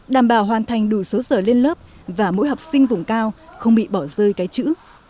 đảm bảo hoàn thành đủ số giờ lên lớp và mỗi học sinh vùng cao không bị bỏ rơi cái chữ